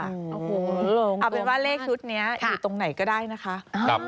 เอาเป็นว่าเลขชุดนี้อยู่ตรงไหนก็ได้นะคะ